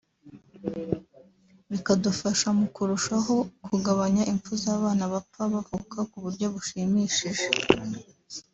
bikadufasha mu kurushaho kugabanya impfu z’abana bapfa bavuka ku buryo bushimishije